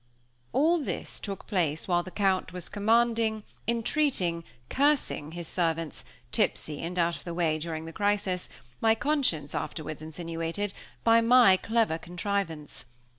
All this took place while the Count was commanding, entreating, cursing his servants, tipsy, and out of the way during the crisis, my conscience afterwards insinuated, by my clever contrivance.